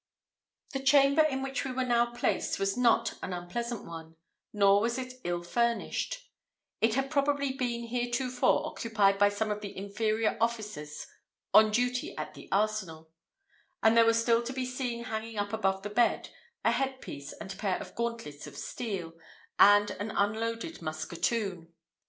The chamber in which we were now placed was not an unpleasant one, nor was it ill furnished, It had probably been heretofore occupied by some of the inferior officers on duty at the arsenal; and there were still to be seen hanging up above the bed, a head piece and pair of gauntlets of steel, and an unloaded musketoon.